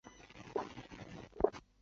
蔡衍明也是台湾中天电视的拥有人。